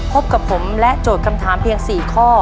พบกับผมและโจทย์คำถามเพียง๔ข้อ